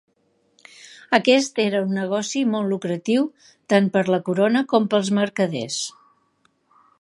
Aquest era un negoci molt lucratiu tant per la Corona com pels mercaders.